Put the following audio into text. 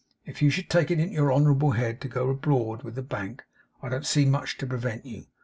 If you should take it into your honourable head to go abroad with the bank, I don't see much to prevent you.